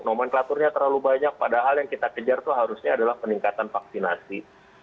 nomenklaturnya terlalu banyak padahal yang kita kejar itu harusnya adalah peningkatan vaksinasi